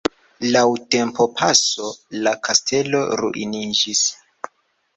Laŭ tempopaso la kastelo ruiniĝis.